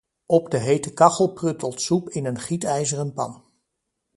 Op de hete kachel pruttelt soep in een gietijzeren pan.